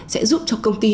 sẽ giúp cho công ty